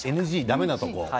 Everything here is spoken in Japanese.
だめなところ？